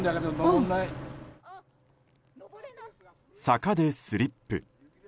坂でスリップ。